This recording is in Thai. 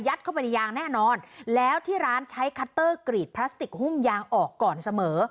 เข้าไปในยางแน่นอนแล้วที่ร้านใช้คัตเตอร์กรีดพลาสติกหุ้มยางออกก่อนเสมอ